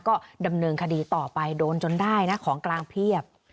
ก็ดำเนินคดีต่อไปโดนจนได้นะของกลางเพียบ